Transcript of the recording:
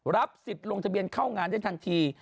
รับสิทธิ์ลงทะเบียนเข้างานได้ทันที